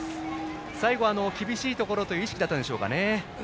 最後、厳しいところという意識だったんでしょうかね。